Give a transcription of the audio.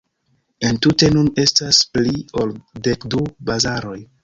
Entute nun estas pli ol dekdu bazaroj.